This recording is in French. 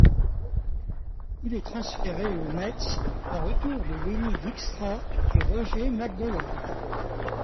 Il est transféré aux Mets en retour de Lenny Dykstra et Roger McDowell.